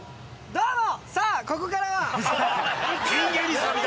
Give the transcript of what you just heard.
どうも！